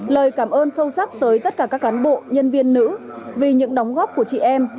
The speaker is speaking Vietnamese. lời cảm ơn sâu sắc tới tất cả các cán bộ nhân viên nữ vì những đóng góp của chị em